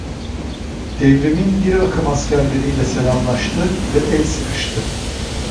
Devrimin bir akım askerleriyle selamlaştı ve el sıkıştı.